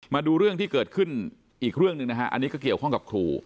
มาดูเรื่องที่เกิดขึ้นอีกเรื่องหนึ่งนะฮะอันนี้ก็เกี่ยวข้องกับครู